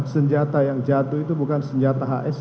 senjata yang jatuh itu bukan senjata hs